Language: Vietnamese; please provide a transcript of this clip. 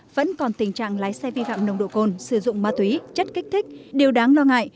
vẫn còn tình trạng lái xe vi phạm nồng độ cồn sử dụng ma túy chất kích thích điều đáng lo ngại